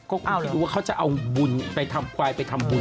ก็คงจะดูว่าเขาจะเอาบุญไปทำควายไปทำบุญ